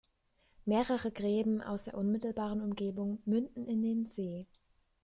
Mehrere Gräben aus der unmittelbaren Umgebung münden in den See.